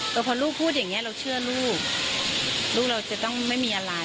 แต่พอลูกพูดอย่างนี้เราเชื่อลูกลูกเราจะต้องไม่มีอะไร